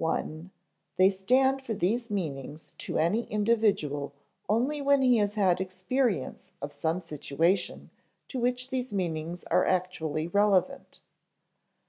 (i) They stand for these meanings to any individual only when he has had experience of some situation to which these meanings are actually relevant.